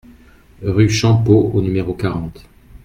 Rue Champeaux au numéro quarante